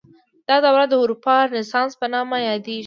دا دوره د اروپايي رنسانس په نامه یاده شوې.